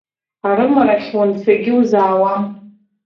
Арымарахь уанцагьы узаауам.